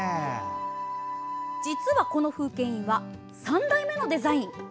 実はこの風景印は３代目のデザイン。